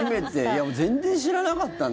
全然知らなかったね。